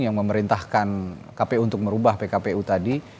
yang memerintahkan kpu untuk merubah pkpu tadi